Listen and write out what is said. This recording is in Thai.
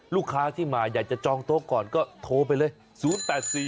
ลูกค้าที่มาอยากจะจองโต๊ะก่อนก็โทรไปเลย๐๘๔